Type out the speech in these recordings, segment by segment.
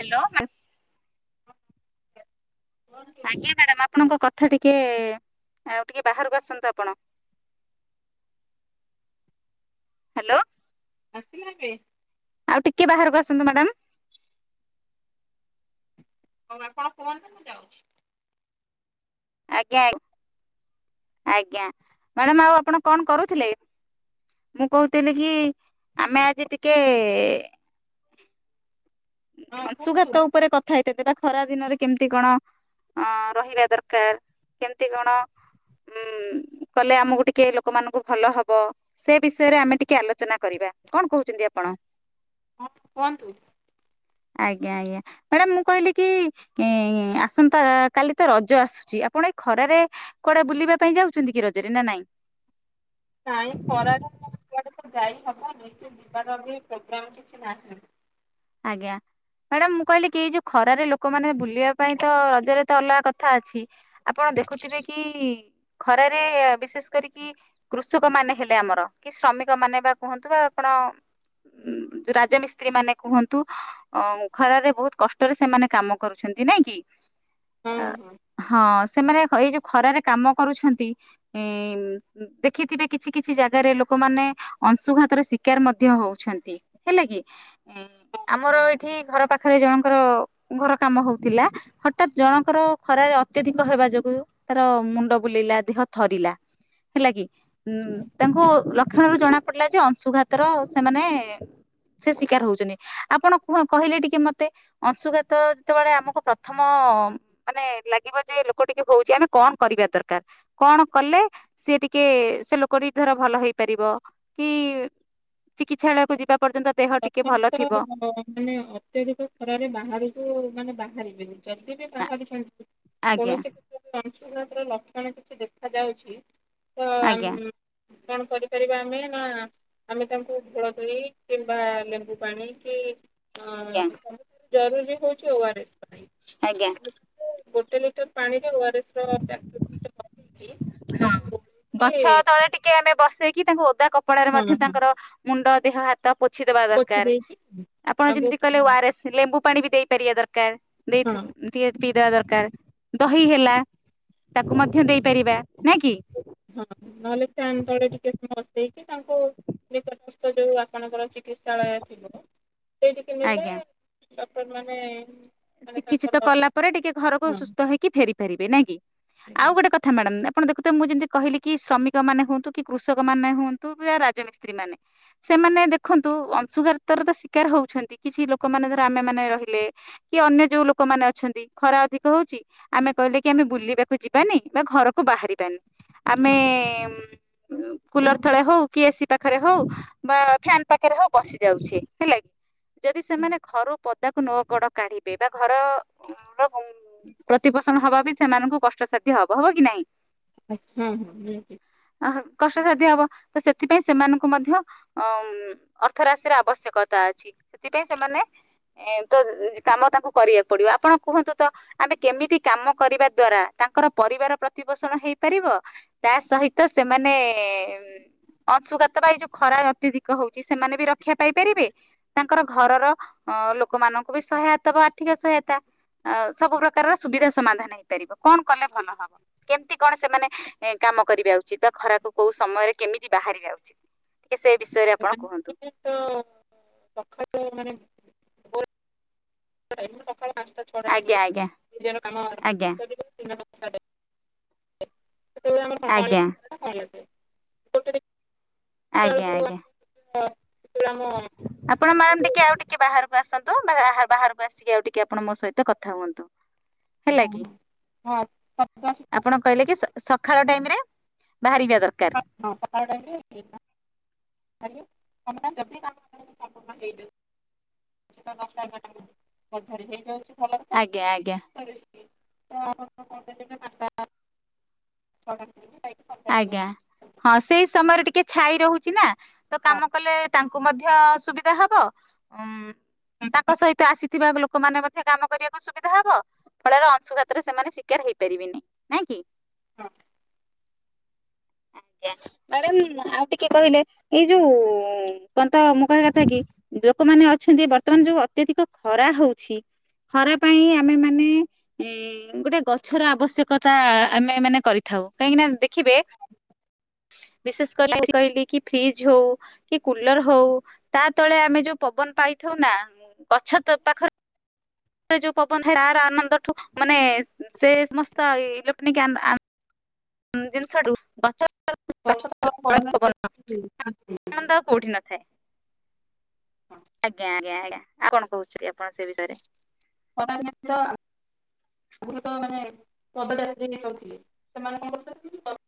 Hello [unintelligible] [unintelligible] ଆଜ୍ଞା madam ଆପଣଙ୍କ କଥା ଟିକେ ଆଉ ଟିକେ ବାହାରକୁ ଆସନ୍ତୁ ଆପଣ। ହାଲୋ। ଆସିଲା ଏବେ ଆଉ ଟିକେ ବାହାରକୁ ଆସନ୍ତୁ ମ୍ୟାଡ଼ାମ୍। ହଉ ଆପଣ କୁହନ୍ତୁ ମୁଁ ଯାଉଚି। ଆଜ୍ଞା ଆଜ୍ଞା ମ୍ୟାଡାମ୍ ଆଉ ଆପଣ କଣ କରୁଥିଲେ? ମୁଁ କହୁଥିଲି କି ଆମେ ଆଜି ଟିକେ ହଁ କୁହନ୍ତୁ ଅଂଶୁଘାତ ଉପରେ କଥା [unintelligible] ଖରା ଦିନରେ କେମିତି କଣ? ଅଁ ରହିବା ଦରକାର କେମତି କଣ? ହୁଁ କଲେ ଆମକୁ ଟିକେ ଲୋକମାନଙ୍କୁ ଭଲ ହବ। ସେ ବିଷୟରେ ଆମେ ଟିକେ ଆଲୋଚନା କରିବା। କଣ କୋହୁଚନ୍ତି ଆପଣ। ହଁ କୁହନ୍ତୁ। ଆଜ୍ଞା ଆଜ୍ଞା। ମ୍ୟାଡାମ୍ ମୁଁ କହିଲି କି ଏ ଆସନ୍ତା କାଲି ତ ରଜ ଆସୁଛି ଆପଣ ଏଇ ଖରାରେ କୁଆଡେ ବୁଲିବା ପାଇଁ ଯାଉଛନ୍ତି କି ରଜରେ ନା ନାଇଁ ନାଇଁ ଖରାରେ କୁଆଡେ ତ ଯାଇ ହବନି, ଯିବାର ବି ପ୍ରୋଗ୍ରାମ କିଛି ନାହଁ। ଆଜ୍ଞା ମ୍ୟାଡାମ୍, ମୁଁ କହିଲି କି ଯୋଉ ଖରାରେ ଲୋକମାନେ ବୁଲିବା ପାଇଁ ତ ରଜରେ ଏତେ ଅଲଗା କଥା ଅଛି, ଆପଣ ଦେଖୁଥିବେ କି ଖରାରେ ବିଶେଷ କରିକି କୃଷକମାନେ ହେଲେ ଆମର କି ଶ୍ରମିକ ମାନେ ବା କୁହନ୍ତୁ ବା ଆପଣ ଉଁ ରାଜମିସ୍ତ୍ରୀମାନେ କୁହ ଅ ଖରାରେ ବହୁତ କଷ୍ଟରେ ସେମାନେ କାମ କରୁଛନ୍ତି ନାଇଁ କି ହଁ ଅ ହଁ ହଁ ସେମାନେ ଏଇ ଯୋଉ ଖରାରେ କାମ କରୁଛନ୍ତି। ଦେଖିଥିବେ କିଛି କିଛି ଜାଗାରେ ଲୋକମାନେ ଅଂଶୁଘାତର ଶିକାର ମଧ୍ୟ ହଉଛନ୍ତି। ହେଲେ କି ଆମର ଏଇଠି ଘର ପାଖରେ ଜଣଙ୍କର ଘର କାମ ହଉଥିଲା ହଠାତ୍ ଜଣଙ୍କର ଖରା ଅତ୍ୟଧିକ ହେବା ଯୋଗୁ ତାର ମୁଣ୍ଡ ବୁଲେଇଲା ଦେହ ଥରିଲା ହେଲା କି ଆଚ୍ଛା ତାଙ୍କୁ ଘରୁ ଜଣା ପଡିଲା ଯେ ଅଂଶୁଘାତର ସେମାନେ ସେ ଶିକାର ହଉଛନ୍ତି। ଆପଣ କୁହ କହିଲେ ଟିକେ ମତେ ଅଂଶୁଘାତ ଯେତେବେଳେ ଆମକୁ ପ୍ରଥମ ମାନେ ଲାଗିବ ଯେ ଲୋକ ଟିକେ ହଉଛି ଆମେ କଣ କରିବା ଦରକାର। କଣ କଲେ ସିଏ ଟିକେ ସେ ଲୋକଟି ଧର ଭଲ ହେଇପାରିବ। କି [unintelligible] ଚିକିତ୍ସାଳୟକୁ ଯିବା ପର୍ଯ୍ୟନ୍ତ ଦେହ ଟିକେ ପ୍ରଥମ ଭଲ ଥିବ ତ ମାନେ ଅତ୍ୟଧିକ ଖରାରେ ବାହାରକୁ ମାନେ ବାହାରିବେନି ଯଦି ବି ବାହାରୁଛନ୍ତି ଆଜ୍ଞା କୌଣସି ଅଂଶୁଘାତର ଲକ୍ଷଣ କିଛି ଦେଖା ଯାଉଛି ତ ଆ ଆଜ୍ଞା କଣ କରିପାରିବା ଆମେ ନା ଆମେ ତାଙ୍କୁ ଭୋଳ ଦହି କି ବା ଲେମ୍ବୁ ପାଣି କି ଜରୁରୀ ହଉଛି ଓ ଆର ଏସ୍ ପା ଆଜ୍ଞା। ଗୋଟେ ଲିଟର ପାଣିରେ ଓ ଆର ଏସର ପ୍ୟାକେଟ ରହୁଛି। ହଁ ଗଛ ତଳେ ଟିକେ ଆମେ ବସେଇକି ତାଙ୍କୁ ଓଦା କ କପଡାରେ ହଁ ମଧ୍ୟ ହଁ ତାଙ୍କର ମୁଣ୍ଡ ଦେହ ହାତ ପୋଛିଦବା ପୋଛି ଦରକାର, ଦେଇକି ଆପଣ ତାଙ୍କୁ ଯେମିତି କହିଲେ ଓ ଆରଏସ୍ ଲେମ୍ବୁ ପାଣି ବି ଦେଇପାରିବା ଦରକାର ହଁ ଦେଇ ଟିକେ ପିଇଦବା ଦରକାର ଦହି ହେଲା ତାକୁ ମଧ୍ୟ ଦେଇ ପାରିବା ନାଇ କି? ହଁ ନହେଲେ ଫ୍ୟାନ ତଳେ ଟିକେ ମସ୍ତେଇକି ତାଙ୍କୁ ନିକଟସ୍ଥ ଯୋଉ ଆପଣଙ୍କର ଚିକିତ୍ସାଳୟ ଥିବ। ସେଇଠି କି ନେଲେ ଆଜ୍ଞା ଡକ୍ଟରମାନେ ଚିକିତ୍ସିତ କଲା ପରେ ଟିକେ ଘରକୁ ସୁସ୍ଥ ହେଇକି ଫେରି ପାରିବେ ନାଇଁ କି ଆଜ୍ଞା ଆଉ ଗୋଟେ କଥା ଥା ମ୍ୟାଡାମ ଆପଣ ଦେଖୁଥିବ ମୁଁ ଯେମତି କହିଲି କି ଶ୍ରମିକମାନେ ହୁଅନ୍ତୁ କି କୃଷକମାନେ ହୁଅନ୍ତୁ ବା ରାଜମିସ୍ତ୍ରୀମାନେ ସେମାନେ ଦେଖନ୍ତୁ ଅଂଶୁଘାତର ତ ଶିକାର ହଉଛନ୍ତି କିଛି ଲୋକମାନେ ଧର ଆମେ ମାନେ ରହିଲେ କି ଅନ୍ୟ ଯୋଉ ଲୋକମାନେ ଅଛନ୍ତି ଖରା ଅଧିକ ହଉଛି। ଆମେ କହିଲେ କି ଆମେ ବୁଲିବାକୁ ଯିବାନି ବା ଘରକୁ ବାହାରିବାନି। ଆମେ ହଁ କୁଲର ତଳେ ହଉ କି ଏସି ପାଖରେ ହଉ ବା ଫ୍ୟାନ ପାଖରେ ହଉ ବସି ଯାଉଛି ହେଲା କି ଯଦି ସେମାନେ ଘରୁ ପଦାକୁ ନ ଗଡ କାଢିବେ ବା ଘର ପ୍ରତିପୋଷଣ ହବା ବି ସେମାନଙ୍କୁ କଷ୍ଟସାଧ୍ୟ ହବ ହବ କି ନାଇଁ। ହୁଁ ହୁଁ ଅ କଷ୍ଟସାଧ୍ୟ ହବ ତ ସେଥିପାଇଁ ସେମାନଙ୍କୁ ମଧ୍ୟ ଅ ଅର୍ଥ ରାଶିର ଆବଶ୍ୟକତା ଅଛି ସେଥିପାଇଁ ସେମାନେ ଏ ତ କାମ ତାଙ୍କୁ କରିବାକୁ ପଡିବ ଆପଣ କୁହନ୍ତୁ ତ ଆମେ କେମିତି କାମ କରିବା ଦ୍ଵାରା, ତାଙ୍କର ପରିବାର ପ୍ରତିପୋଷଣ ହେଇ ପାରିବ? ତା ସହିତ ସେମା ମାନେ ଅଂଶୁଘାତ ବା ଏଇ ଯୋଉ ଖରା ଅତ୍ୟଧିକ ହଉଛି, ସେମାନେ ବି ର କ୍ଷା ପାଇପାରିବେ ତାଙ୍କର ଘରର ଲୋକମାନଙ୍କୁ ବି ସହାୟତା ବା ଆର୍ଥିକ ସହାୟତା। ଅ ସବୁ ପ୍ରକାରର ସୁବିଧା ସମାଧାନ ହେଇପାରିବ। କଣ କଲେ ଭଲ ହବ? କେମିତି କଣ ସେମାନେ କାମ କରିବା ଉଚିତ ବା ଖରାକୁ କୋଉ ସମୟରେ କେମିତି ବାହାରିବା ଉଚିତ। ସେ ବିଷୟରେ ଆପଣ କୁହନ୍ତୁ ତ ସଖାଳୁ ମାନେ [unintelligible] ଟାଇ ସକାଳ ପାଞ୍ଚଟା ଛଅଟା ଆଜ୍ଞା ଟାଇମ ଆଜ୍ଞା [unintelligible] କାମ [unintelligible] [unintelligible] ଆଜ୍ଞା ସେତବେଳେ ଆଜ୍ଞା [unintelligible] ଚା ଆଜ୍ଞା ଆଜ୍ଞା [unintelligible] ଆପଣ ମ୍ୟାଡାମ୍ ଟିକେ ଆଉ ଟି ଟିକେ ବାହାରକୁ ଆସନ୍ତୁ ବା ବାହାରକୁ ଆସିକି ଆଉ ଟିକେ ଆପଣ ମୋ ସହିତ କଥା ହୁଅନ୍ତୁ। ହେଲା କି ହଁ ହଁ ଶବ୍ଦ ଆସିବ। ଆପଣ କହିଲେ କି ସକାଳ ଟାଇମରେ ବାହାରିବା ଦରକାର। ହଁ ପକାଟା [unintelligible] ଆଜ୍ଞା, କାମଟା ଯଲଦି ତା [unintelligible] ହେଇଯାଉ। ଦଶଟା ଏଗାରଟା ମଧ୍ୟରେ ହେଇଯାଉଛି ଭଲ କଥା ଆଜ୍ଞା, ଆଜ୍ଞା। [unintelligible] ଆଜ୍ଞା। ରେ ହଁ, ସେଇ ସମୟରେ ଟିକେ ଛାଇ ରହୁଛି ନା। ତ, କାମ କଲେ ତାଙ୍କୁ ମଧ୍ୟ ମଧ୍ୟ ସୁବିଧା ହବ ଉ ତାଙ୍କ ସହିତ ଆସି ଥିବା ଲୋକମାନେ ମଧ୍ୟ କାମ କରିବାକୁ ସୁବିଧା ହବ। ଫଳରେ ଅଂଶୁଘାତରେ ସେମାନେ ଶିକାର ହେଇପାରିବେନି ନାଇଁ କି। ହଁ। ମ୍ୟାଡାମ ଆଉ ଟିକେ କହିଲେ। ଏଇ ଯୋଉ କଣତ ମୁଁ କହିବା କଥା କି ଲୋକମାନେ ଅଛନ୍ତି ବର୍ତ୍ତମାନ ଯୋଉ ଅତ୍ୟଧିକ ଖରା ହଉଛି, ଖରା ପାଇଁ ଆମେ ମାନେ ଗୋଟେ ଗଛର ଆବଶ୍ୟକତା ଆମେ ମାନେ କରିଥାଉ କାହିଁକି ନା ଦେଖିବେ ବିଶେଷ କରି କହିଲି କି ଫ୍ରିଜ ହଉ କି କୁଲର ହଉ ତା ତଳେ ଆମେ ଯୋଉ ପବନ ପାଇଥାଉ ନା ଗଛ ତ ପାଖରେ ଯୋଉ ପବନ ହୁଏ, ଆର ଆନନ୍ଦଠୁ ମାନେ, ସେ ସମସ୍ତ ଇଲେଟ୍ରନିକ୍ ଆ ଜିନିଷଠୁ ବା ଗଛ [unintelligible] [unintelligible] କୋଉଠି ନଥାଏ [inaudible] ଆଜ୍ଞା ଆଜ୍ଞା ଆଜ୍ଞା ଆପଣ କଣ କହୁଛି ସେ ବିଷୟରେ? [unintelligible] [unintelligible]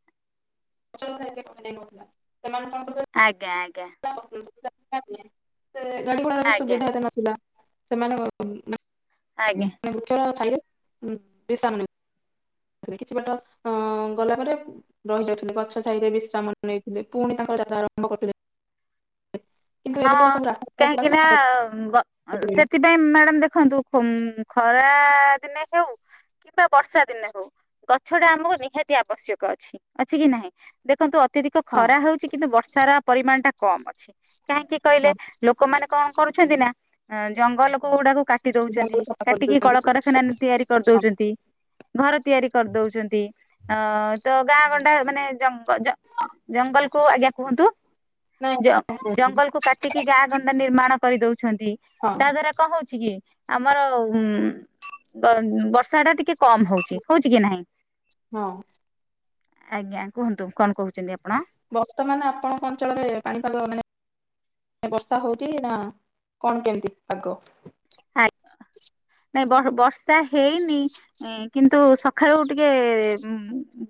[inaudible] ଆଜ୍ଞା, ଆଜ୍ଞା। ଗାଡି ଘୋଡାର ବି ଆଜ୍ଞା ସୁବିଧାତେ ନଥିଲା ସେମାନେ ଆଜ୍ଞା। [unintelligible] କିଛି ବାଟ ଅ ଗଲା ପରେ ରହିଯାଉଥିଲେ ଗଛ ଛାଇରେ ବିଶ୍ରାମ ନେଇଥିଲେ ପୁଣି ତାଙ୍କର ଯାତ୍ରା ଆରମ୍ଭ କରୁଥିଲେ କିନ୍ତୁ ହଁ ଏବେ ତ ସବୁ ରାସ୍ତା ପୁରା କାହିଁକି ନା ସଫା କରି ଗ ସେଥି ସେ ମ୍ୟାଡ଼ାମ ଦେଖନ୍ତୁ ଖରା ଦିନେ ହଉ କିମ୍ବା ବର୍ଷା ଦିନେ ହଉ ଗଛ ଟା ଆମକୁ ନିହାତି ଆବଶ୍ୟକ ଅଛି ଅଛି କି ନାହିଁ ଦେଖନ୍ତୁ ଅତଧିକ ହଁ ଖରା ହଉଛି କିନ୍ତୁ ବର୍ଷାର ପରିମାଣ ଟା କମ ଅଛି କାହିଁକି କହିଲେ? ହଁ ଲୋକମାନେ କଣ କରୁଛନ୍ତି ନା ଜଙ୍ଗଲ କୋ ଗୁଡାକୁ କାଟି ଦଉଛନ୍ତି ଜଙ୍ଗଲ ସଫା କାଟିକି କରିଦଉଛନ୍ତି କଳକାରଖାନା ତିଆରି କରିଦଉଛନ୍ତି ଘର ତିଆରି କରିଦଉଚନ୍ତି ଅ ତ ଗାଁ ଗଣ୍ଡା ମାନେ ଜଙ୍ଗ ଜଙ୍ଗଲ କୁ ଆଜ୍ଞା କୁହନ୍ତୁ ନାଇଁ [unintelligible] ଜଙ୍ଗଲ କୁ କାଟିକି ଗାଁ ଗଣ୍ଡା ନିର୍ମାଣ କରିଦଉଛନ୍ତି ହଁ ତା ଦ୍ଵାରା କଣ ହଉଚି ଯ ଅଛି କି ଆମର ଉ ବ ବର୍ଷା ଟା ଟିକେ କମ ହଉଛି ହଉଛି କି ନାହିଁ? ହଁ ଆଜ୍ଞା କୁହନ୍ତୁ କଣ କହୁଚନ୍ତି ଆପଣ? ବର୍ତ୍ତମାନ ଆପଣଙ୍କ ଅଞ୍ଚଳରେ ପାଣିପାଗ ମାନେ ବର୍ଷା ହଉଛି ନା କଣ କେମିତି ପାଗ? ଆ ନାଇଁ ବ ବର୍ଷା ହେଇନି କିନ୍ତୁ ସକାଳୁ ଟିକେ ଉ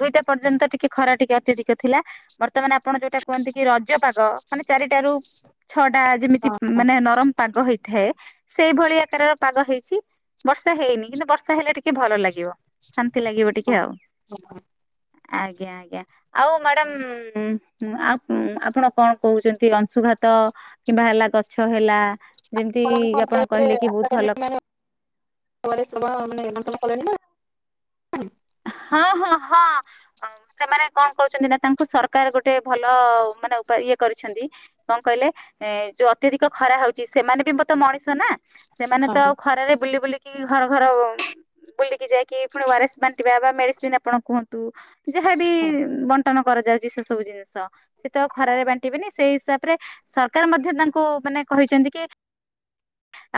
ଦୁଇ ଟା ପର୍ଯ୍ୟନ୍ତ ଟିକେ ଖରା ଟିକେ ଅତ୍ୟଧିକ ଥିଲା। ବର୍ତ୍ତମାନ ଆପଣ ଯୋଉଟା କୁହନ୍ତି କି ରଜପାଗ ମାନେ ଚାରିଟାରୁ ଛଅଟା ଯେମିତି ହଁ ମାନେ ନରମ ପାଗ ହେଇଥାଏ ସେଇଭଳି ତାର ପାଗ ହେଇଛି। ବର୍ଷା ହେଇନି କିନ୍ତୁ ବର୍ଷା ହେଲେ ଟିକେ ଭଲ ଲାଗିବ ଶାନ୍ତି ଲାଗିବ ଟିକେ ହଁ ଆଉ। ହଁ ଆଜ୍ଞା ଆଜ୍ଞା। ଆଉ ମ୍ୟାଡାମ ଆ ଆପଣ କଣ କହୁଛନ୍ତି ଅଂଶୁଘାତ କିମ୍ବା ହେଲା ଗଛ ହେଲା ଯେମିତି ଆପଣ କହିଲେ କି ବହୁତ ଭଲ ପରେ ସ ମାନେ ଆପଣ ପଳେଇଲେ ହଁ ହଁ ହଁ। ଅ ସେମାନେ କଣ କରୁଛନ୍ତି ନା ତାଙ୍କୁ ସରକାର ଗୋଟେ ଭଲ ମାନେ ଇଏ କରିଛନ୍ତି। କଣ କହିଲେ ଏ ଯୋଉ ଅତ୍ୟଧିକ ଖରା ହଉଛି ସେମାନେ ବି ମୋତେ ମଣିଷ ନା? ସେମାନେ ତ ହଁ। ଆଉ ଖରାରେ ବୁଲି ବୁଲିକି ଘର ଘର ବୁଲିକି ଯାଇକି ପୁଣି ଓରେସ୍ ପାଣି ଇ ଏବା ମେଡ଼ିସିନ୍ ଆପଣ କୁହନ୍ତୁ ଯାହାବି ବ ବଟନ କରାଯାଉଛି ସେ ସବୁ ଜିନିଷ ସେ ତ ଖରାରେ ବାଣ୍ଟିବେନି ସେଇ ହିସାବରେ ସରକାର ମଧ୍ୟ ତାଙ୍କୁ ମାନେ କହିଛନ୍ତି କି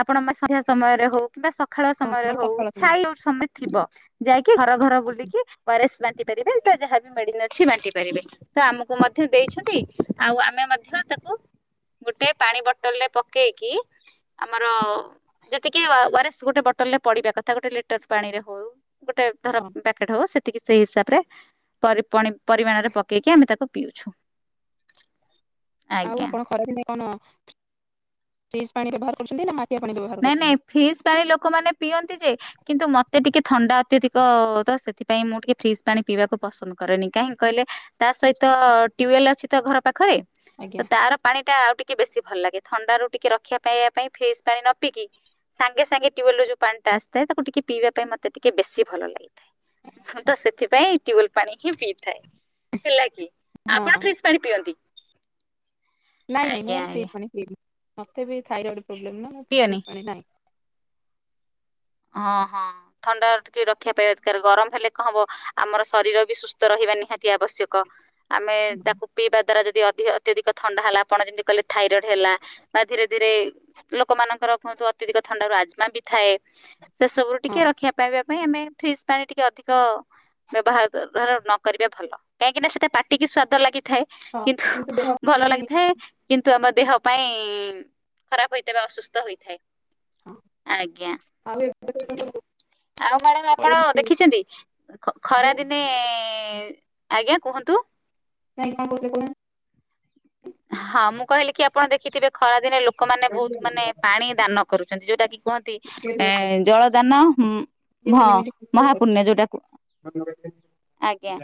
ଆପଣ ସନ୍ଧ୍ୟା ସମୟରେ ହଉ କିମ୍ବା ସକାଳ ହଁ ସମୟରେ ମାନେ ହଉ ସକାଳ ସନ୍ଧ୍ୟା। ଛାଇ ସମୟ ଥିବ ଯାଇକି ଘର ଘର ବୁଲିକି ଓଆରେସ ବାଣ୍ଟି ପାରିବେ ତ ଯାହା ବଡିନା କିଛି ବାଣ୍ଟି ପାରିବେ ତ ଆମକୁ ମଧ୍ୟ ଦେଇଛନ୍ତି ଆଉ ଆମେ ମଧ୍ୟ ତାକୁ ଗୋଟେ ପାଣି ବୋଟଲରେ ପକେଇକି ଆମର ଯେତିକି ଓଆରେସ ଗୋଟେ ବଟଲ ରେ ପଡିବା କଥା ଗୋଟେ ଲିଟର ପାଣି ରେ ହଉ ଗୋଟେ ଧର ହଁ ପ୍ୟାକେଟ ହଉ ସେତିକି ସେଇ ହିସାବ ପରି ପାଣି ପରିମାଣରେ ପକେଇକି ଆମେ ତାକୁ ପିଉଛୁ। ଆଉ ଆଜ୍ଞା। ଆପଣ ଖରାଦିନେ କଣ ଫ୍ରିଜ ପାଣି ବ୍ୟବହାର କରୁଛନ୍ତି ନା ମାଟିଆ ପାଣି ବ୍ୟବହାର କରୁଛନ୍ତି? ଫ୍ରିଜ୍ ପାଣି ଲୋକମାନେ ପିଅନ୍ତି ଯେ କିନ୍ତୁ ମତେ ଟିକେ ଥଣ୍ଡା ଅତ୍ୟଧିକ ତ ସେଥିପାଇଁ ମୁଁ ଟିକେ ଫ୍ରିଜ ପାଣି ପିଇବାକୁ ପସନ୍ଦ କରେନି କାହିଁକି କହିଲେ? ତା ସହିତ ଟ୍ୟୁୱେଲ ଅଛି ତ ଘର ପାଖରେ। ଆଜ୍ଞା ତାର ପାଣି ଟା ଆଉ ଟିକେ ବେଶୀ ଭଲ ଲାଗେ। ଥଣ୍ଡା ରୁ ଟିକେ ରକ୍ଷିବା ପାଇବା ପାଇଁ ଫ୍ରିଜ୍ ପାଣି ନ ପିଇକି ସାଙ୍ଗେ ସାଙ୍ଗେ ଟ୍ୟୁବଲ ର ଯୋଉ ପାଣି ଟା ଆସିଥାଏ ତାକୁ ଟିକେ ପିଇବା ପାଇଁ ମତେ ଟିକେ ବେଶି ଭଲ ଲାଗେ। ତ ସେଥିପାଇଁ ଟ୍ୟୁବଲ ପାଣି ହିଁ ପିଇଥାଏ। ହେଲା କି ହଁ ଆପଣ ହଁ ଫ୍ରୀଜ୍ ପାଣି ପିଅନ୍ତି। ନାଇଁ ଆଜ୍ଞା ନାଇଁ ମୁଁ ଆଜ୍ଞା ଫ୍ରିଜିର ପାଣି ପିଏନି। ମତେ ବି ଥାଇରଏଡ ପ୍ରୋବ୍ଲେମ୍ ନାଁ ପିଅନି ଫିଜ୍ ପାଣି ନାହିଁ ହଁ, ହଁ ଥଣ୍ଡା ଟିକେ ରଖିବା ପାଇଁ ଦରକାର ଗରମ ହେଲେ କଣ ହବ ଆମର ଶରୀର ବି ସୁସ୍ଥ ରହିବା ନିହାତି ଆବଶ୍ୟକ ଆମେ ତାକୁ ହଁ। ପିଇବା ଦ୍ଵାରା ଯଦି ଅଧିକ ଅତ୍ୟାଧିକ ଥଣ୍ଡା ହେଲା ଆପଣଯେମିତି କହିଲେ ଥାଇରଏଡ ହେଲା ବା ଧୀରେ ଧୀରେ ଲୋକମାନଙ୍କର କୁହନ୍ତୁ ଅତ୍ୟଧିକ ଥଣ୍ଡା ର ରାଜମା ବି ଥାଏ ସେସବୁ ଟିକେ ରଖିବା ପାଇବା ପାଇଁ ଆମେ ଫ୍ରିଜ୍ ପାଣି ଟିକେ ଅଧିକ ବ୍ୟବହାର ନ କରିବେ ଭଲ କାହିଁକିନା ସେଟା ପାଟିକି ସ୍ଵାଦ ଲାଗିଥାଏ। ହଁ କିନ୍ତୁ ଦେହ ଭଲ ପାଇଁ ଲାଗିଥାଏ। କିନ୍ତୁ ଆମ ଦେହ ପାଇଁ ଖରାପ ହେଇଥାଏ। ବା ଅସୁସ୍ଥ ହୋଇଥାଏ। ଆଜ୍ଞା। ଆମେ କଣ ପଚାରିବୁ? ଆଉ ମ୍ୟାଡ଼ାମ ଆପଣ ଦେଖିଛନ୍ତି କି? ଖରା ଦିନେ ଆଜ୍ଞା କୁହନ୍ତୁ? କାଇ କଣ କହିଥିଲେ [unintelligible] ହଁ ମୁଁ କହିଲି କି ଆପଣ ଦେଖିଥିବେ ଖରାଦିନେ ଲୋକମାନେ ବହୁତ କହୁନାହାନ୍ତି? ମାନେ ପାଣି ଦାନ କରୁଛନ୍ତି। ଯୋଉଟା କି କୁହନ୍ତି ଦି ଏ ଜଳ ଦାନ ହଁ ତିନି ମିନିଟ୍ ଭିତରେ ମହାପୂର୍ଣ୍ଣ। ଯୋଉଟାକି କରୁଛି। ଆଜ୍ଞା,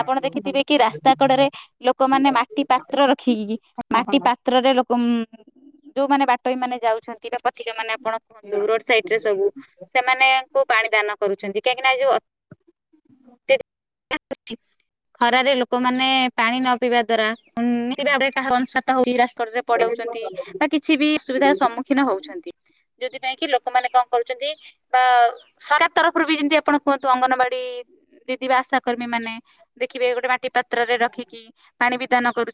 ଆପଣ ଦେଖିଥିବେ କି ରାସ୍ତା କଡରେ ଲୋକମାନେ ମାଟି ପା ପାତ୍ର ରଖିକିି ମାଟି ପାତ୍ରରେ ଲୋକ ଯୋଉମାନେ ବାଟୋଇ ମାନେ ଯାଉଛନ୍ତି। ପଥିକା ମାନେ ଆପଣ କୁହନ୍ତୁ, ରୋଡ ସାଇଡ ରେ ସବୁ ସେ ମାନଙ୍କୁ ପାଣି ଦାନ କରୁଛନ୍ତି କାହିଁକି ନା ଯୋଉ [inaudible] ଖରାରେ ଲୋକମାନେ ପାଣି ନ ପିଇବା ଦ୍ଵାରା [unintelligible] [unintelligible] ବା କିଛି ବି ହଁ ସୁବିଧାର ସମ୍ମୁଖୀନ ହଁ। ହଉଛନ୍ତି। ଯୋଉଥିପାଇଁ କି ଲୋକମାନେ କଣ କରୁଛନ୍ତି? ବା ସରକାର ତରଫରୁ ବି ଯେମତି ଆପଣ କୁହନ୍ତୁ ଅଙ୍ଗନବାଡି ଦିଦି ବା ଆଶା କର୍ମୀ ମାନେ ଦେଖିବେ ଗୋଟେ ମାଟି ପାତ୍ରରେ ରଖିକି ପାଣି ବି ଦାନ କରୁ